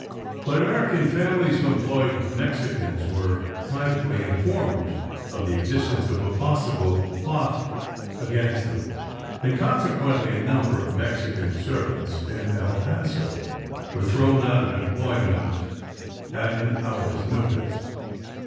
But Ameri can families who employed Mexicans were privately informed of the existence of a possible plot against them, and consequently a number of Mexican servants in El Paso were thrown out of employment at an hour s notice.